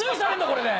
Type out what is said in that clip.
これで。